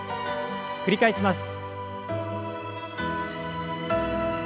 繰り返します。